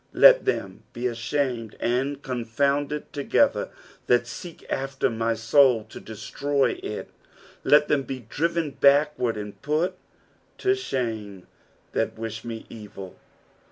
14 Let them be ashamed and confounded together that seek after my soul to destroy it ; let them be driven backward and put to shame that wish me evil.